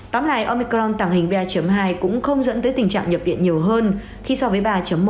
tóm lại omicron tàng hình ba hai cũng không dẫn tới tình trạng nhập điện nhiều hơn khi so với ba một